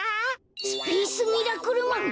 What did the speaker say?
スペースミラクルマン！